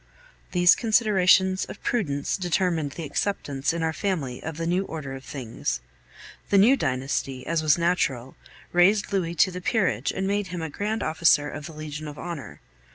These considerations of prudence determined the acceptance in our family of the new order of things. The new dynasty, as was natural, raised Louis to the Peerage and made him a grand officer of the Legion of Honor.